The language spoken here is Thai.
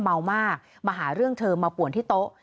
เมามากมาหาเรื่องเธอมาป่วนที่โต๊ะ